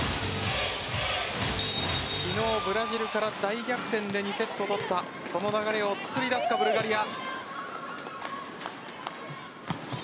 昨日、ブラジルから大逆転で２セット取ったその流れを作り出すかブルガリア。